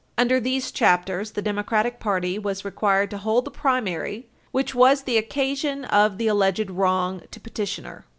Under these chapters, the Democratic Party was required to hold the primary which was the occasion of the alleged wrong to petitioner.